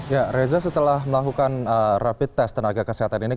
ya reza setelah melakukan rapid test tenaga kesehatan ini